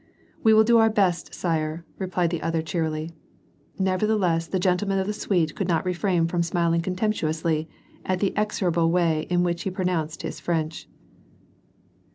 "We will do our best, sire," replied the other cheerily;* nevertheless the gentlemen of the suite could not refrain £rom smiling contemptuously at the execrable way in which he pro nounced his French.